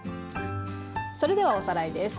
それではおさらいです。